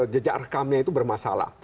jejak rekamnya itu bermasalah